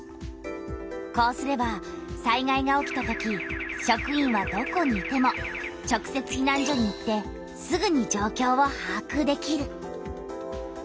こうすれば災害が起きたとき職員はどこにいても直せつひなん所に行ってすぐに状況をはあくできる。